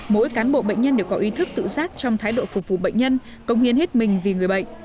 mỗi cán bộ bệnh nhân đều có ý thức tự giác trong thái độ phục vụ bệnh nhân công hiến hết mình vì người bệnh